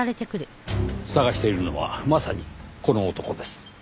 捜しているのはまさにこの男です。